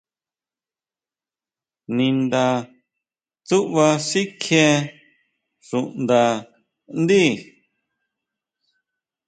Ninda tsúʼba sikjie xuʼnda ndí.